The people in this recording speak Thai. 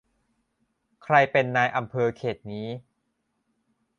ใครเป็นนายอำเภอเขตนี้